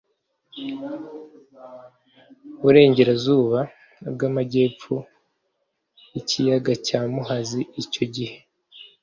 burengerazuba bw amagepfo y ikiyaga cya muhazi icyo gihe